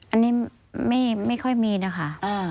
อันนี้ไม่ค่อยมีนะคะ